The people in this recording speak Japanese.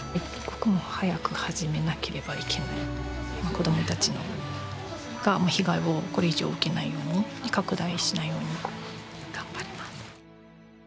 子どもたちが被害をこれ以上受けないように拡大しないように頑張ります。